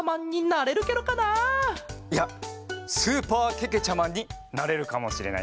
いやスーパーけけちゃマンになれるかもしれないね。